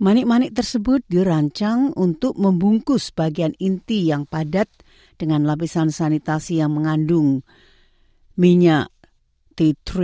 manik manik tersebut dirancang untuk membungkus bagian inti yang padat dengan lapisan sanitasi yang mengandung minyak titroli